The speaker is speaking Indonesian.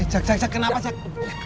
cak cak cak kenapa cak